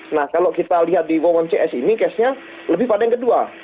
nah kalau kita lihat di womc s ini kesnya lebih pada yang kedua